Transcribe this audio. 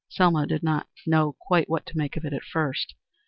Selma did not quite know what to make of it at first.